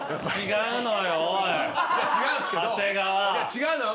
違うのよ。